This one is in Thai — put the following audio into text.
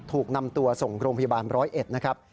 ถูกนำตัวส่งโรงพยาบาล๑๐๑นะครับ